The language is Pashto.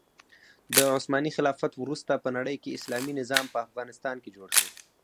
د عثماني خلافت وروسته په نړۍکې اسلامي نظام په افغانستان کې جوړ شو.